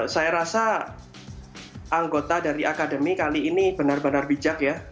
saya rasa anggota dari akademi kali ini benar benar bijak ya